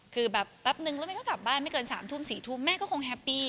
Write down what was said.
คือแบบแป๊บนึงแล้วแม่ก็กลับบ้านไม่เกิน๓ทุ่ม๔ทุ่มแม่ก็คงแฮปปี้